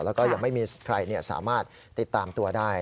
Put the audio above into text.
แล้วก็ยังไม่มีใครสามารถติดตามตัวได้